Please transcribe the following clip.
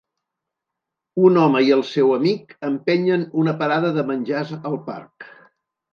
Un home i el seu amic empenyen una parada de menjars al parc.